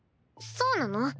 そうなの？